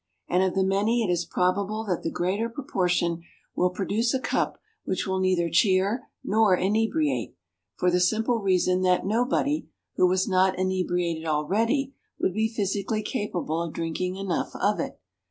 And of the many it is probable that the greater proportion will produce a cup which will neither cheer nor inebriate; for the simple reason that nobody, who was not inebriated already, would be physically capable of drinking enough of it.